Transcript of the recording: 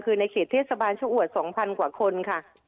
คือในเขตเทศบาลชะอวด๒๐๐กว่าคนค่ะ